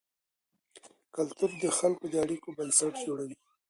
کلتور د خلکو د اړیکو بنسټ جوړوي.